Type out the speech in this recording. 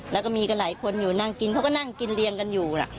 แล้วก็มีกันหลายคนอยู่นั่งกินเขาก็นั่งกินเรียงกันอยู่